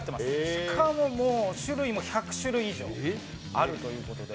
しかももう、種類も１００種類以上あるということで。